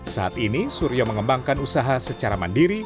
saat ini suryo mengembangkan usaha secara mandiri